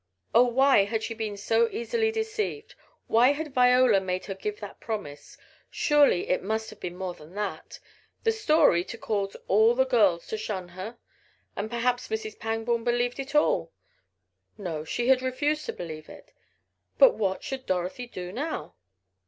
Oh, why had she been so easily deceived? Why had Viola made her give that promise? Surely it must have been more than that! The story, to cause all the girls to shun her! And perhaps Mrs. Pangborn believed it all! No, she had refused to believe it. But what should Dorothy do now?